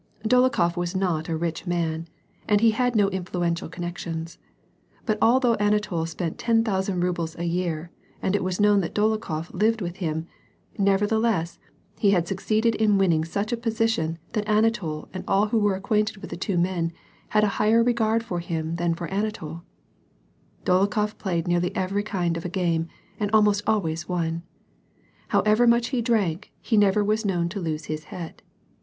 Dolokhof was not a rich man, and he ha<l no influential con nections. But although Anatol spent ten thousand rubles a year and it was known that Dolokhof lived with him, never theless, he had succeeded in winning such a position that Ana tol and all who were acquainted with the two men, had a higher regard for hiln than for Anatol. Dolokhof played nearly every kind of a game and almost always won. How ever much he drank, he never was known to lose his head.